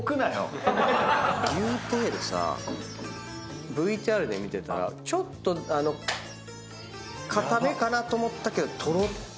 牛テールさＶＴＲで見てたらちょっと硬めかなと思ったけどとろっとろやん。